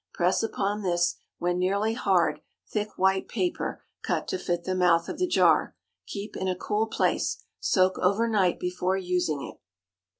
Press upon this, when nearly hard, thick white paper, cut to fit the mouth of the jar. Keep in a cool place. Soak over night before using it.